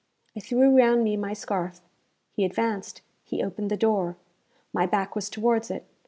I threw round me my scarf. He advanced; he opened the door. My back was towards it.